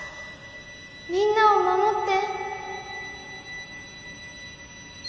みんなをまもって！